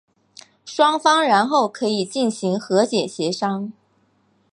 双方然后可以进行和解协商。